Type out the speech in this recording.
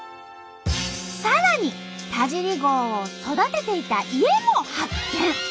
さらに田尻号を育てていた家も発見！